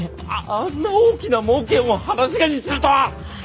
あんな大きな猛犬を放し飼いにするとは！